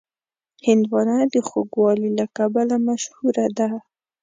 هندوانه د خوږوالي له کبله مشهوره ده.